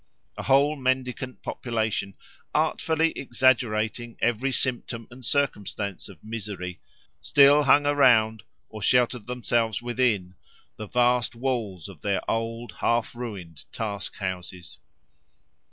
A whole mendicant population, artfully exaggerating every symptom and circumstance of misery, still hung around, or sheltered themselves within, the vast walls of their old, half ruined task houses.